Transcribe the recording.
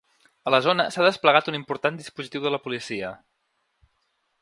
A la zona s’ha desplegat un important dispositiu de la policia.